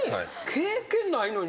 経験ないのに。